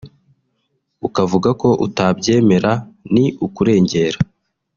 ukavuga ko utabyemera ni ukurengera